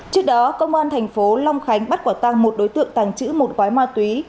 trước đó công an thành phố long khánh bắt quả tăng một đối tượng tàng trữ một gói ma túy